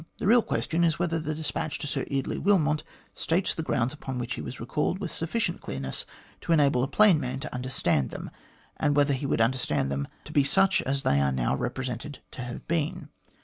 The real question is whether the despatch to Sir Eardley AVilmot states the grounds upon which he was recalled with sufficient clearness to enable a plain man to understand them, and whether he would understand them to be such as they are now represented to have been.